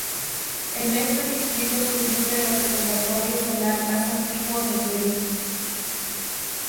En este distrito se ubica el observatorio solar más antiguo del Perú.